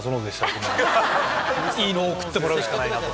いいのを送ってもらうしかない。